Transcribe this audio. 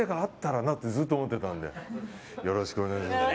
よろしくお願いします。